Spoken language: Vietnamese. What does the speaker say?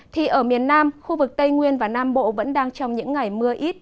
thì ở miền nam khu vực tây nguyên và nam bộ vẫn đang trong những ngày mưa ít